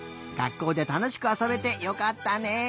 学校でたのしくあそべてよかったね！